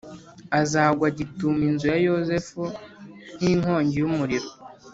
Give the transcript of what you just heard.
azagwa gitumo inzu ya Yozefu nk’inkongi y’umuriro,